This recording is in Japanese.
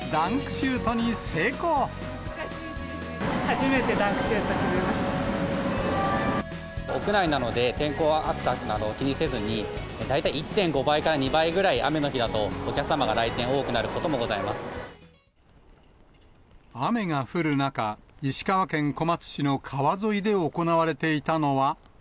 初めてダンクシュート決めま屋内なので、天候、暑さなど気にせずに、大体１．５倍から２倍ぐらい、雨の日だと、お客様が雨が降る中、石川県小松市の川沿いで行われていたのは。